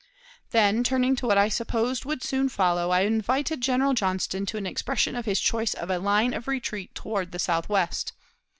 Then, turning to what I supposed would soon follow, I invited General Johnston to an expression of his choice of a line of retreat toward the southwest.